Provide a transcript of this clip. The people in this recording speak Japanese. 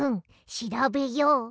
しらべよう。